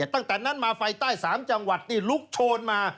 ตั้งแต่นั้นมาไฟใต้๓จังหวัดนี่ลุกโชนมา